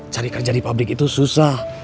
cari kerja di pabrik itu susah